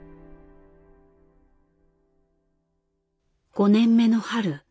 ５年目の春。